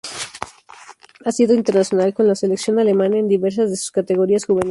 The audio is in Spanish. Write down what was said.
Ha sido internacional con la selección alemana en diversas de sus categorías juveniles.